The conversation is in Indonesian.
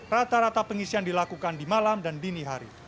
rata rata pengisian dilakukan di malam dan dini hari